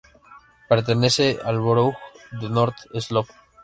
Pertenece al Borough de North Slope.